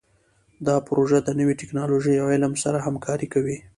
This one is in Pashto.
دا پروژه د نوي ټکنالوژۍ او علم سره همکاري کوي.